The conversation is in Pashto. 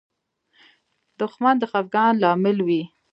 دښمن د خفګان لامل وي